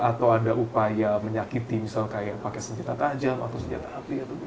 atau ada upaya menyakiti misalnya pakai senjata tajam atau senjata api